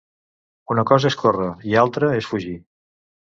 Una cosa és córrer i altra és fugir.